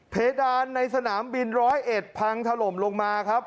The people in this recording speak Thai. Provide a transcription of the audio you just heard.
เพดานในสนามบินร้อยเอ็ดพังถล่มลงมาครับ